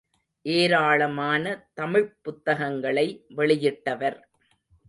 ஏராளமான தமிழ்ப் புத்தகங்களை வெளியிட்டவர்.